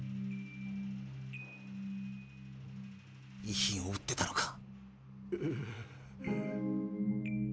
遺品を売ってたのか。